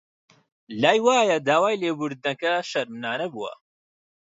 لای وایە داوای لێبوردنەکە شەرمنانە بووە